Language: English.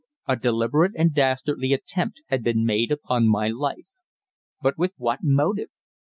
A deliberate and dastardly attempt had been made upon my life; but with what motive?